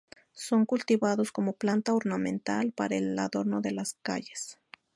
Son cultivados como planta ornamental para el adorno de las calles.